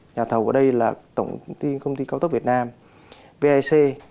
nhà thầu ở đây là tổng công ty công ty cao tốc việt nam vac